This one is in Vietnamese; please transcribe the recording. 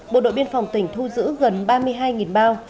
bộ đội biên phòng tỉnh thu giữ gần ba mươi hai bao